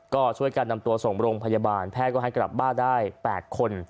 ก็ช่วยกันนำตัวส่งโรงพยาบาลแพทย์ก็ให้กลับบ้านได้๘คน